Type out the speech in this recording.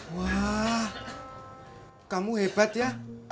wah kamu hebat ya